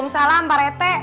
salam pak reti